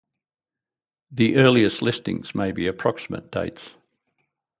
The earliest listings may be approximate dates.